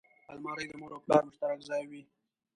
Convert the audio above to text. الماري د مور او پلار مشترک ځای وي